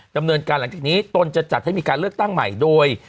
ดำเนินการหลังทีนี้ตนจะจัดให้มีการเลือกตั้งใหม่โดย